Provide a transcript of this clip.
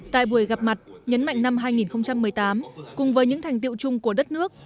tại buổi gặp mặt nhấn mạnh năm hai nghìn một mươi tám cùng với những thành tiệu chung của đất nước